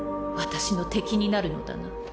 私の敵になるのだな？